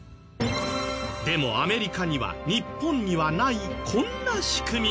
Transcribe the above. でもアメリカには日本にはないこんな仕組みが。